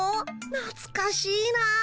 なつかしいな。